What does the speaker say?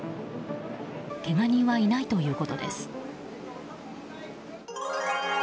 けが人はいないということです。